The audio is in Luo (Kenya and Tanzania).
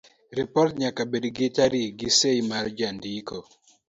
Ripot nyaka bed gi tarik gi sei mar jandiko.